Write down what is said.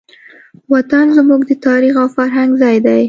وطن زموږ د تاریخ او فرهنګ ځای دی.